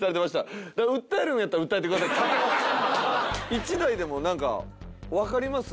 １台でも何か分かります？